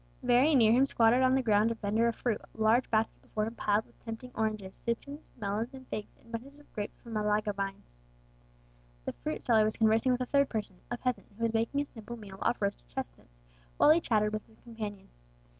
Very near him squatted on the ground a vendor of fruit, the large basket before him piled with tempting oranges, citrons, melons, and figs, and bunches of grapes from Malaga vines. The fruit seller was conversing with a third person a peasant who was making a simple meal off roasted chestnuts, while he chatted with his companion.